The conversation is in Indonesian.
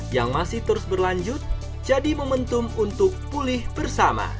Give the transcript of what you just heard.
yang masih terus berlanjut jadi momentum untuk pulih bersama